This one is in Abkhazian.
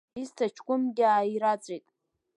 Изҭаҷкәымкгьы ааираҵәеит.